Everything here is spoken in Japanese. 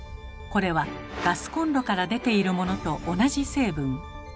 これはガスコンロから出ているものと同じ成分。